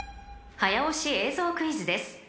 ［早押し映像クイズです］